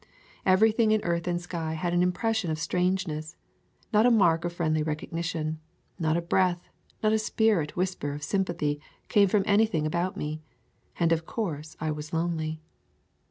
Every thing in earth and sky had an impression of strangeness; not a mark of friendly recognition, not a breath, not a spirit whisper of sympathy came from anything about me, and of course I was lonely.